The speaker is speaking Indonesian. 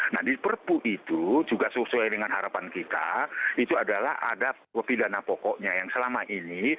nah di perpu itu juga sesuai dengan harapan kita itu adalah ada pidana pokoknya yang selama ini